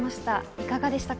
いかがでしたか？